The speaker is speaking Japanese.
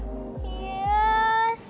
よし！